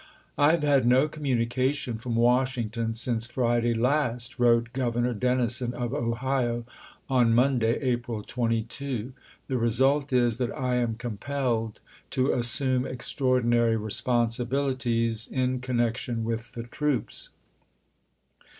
"I have had no communication from Washington since Friday last," wrote Governor ceunisonto Dennison of Ohio on Monday, April 22. "The ApmTsei. result is that I am compelled to assume extraor series lii., dinary responsibilities in connection with the ias!'^" troops."